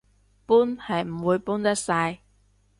搬係唔會搬得晒